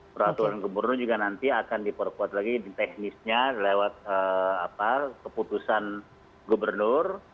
peraturan gubernur juga nanti akan diperkuat lagi teknisnya lewat keputusan gubernur